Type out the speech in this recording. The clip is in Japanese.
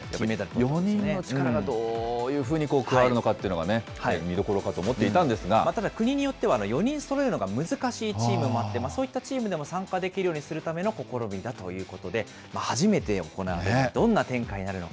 ４人の力が、どういうふうに加わるのかっていうのが見どころかとただ国によっては４人そろえるのが難しいチームもあって、そういったチームでも参加できるようにするための試みだということで、初めて行われる、どんな展開になるのか。